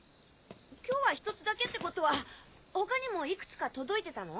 「今日は１つだけ」ってことは他にもいくつか届いてたの？